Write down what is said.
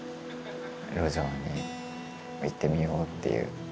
路上に行ってみようっていう。